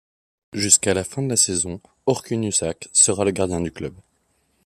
Jusqu'à la fin de la saison, Orkun Uşak sera le gardien du club.